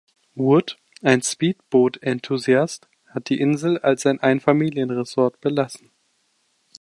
Wood, ein Speedboot-Enthusiast, hat die Insel als ein Ein-Familien-Resort belassen.